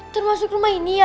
termasuk rumah ini ya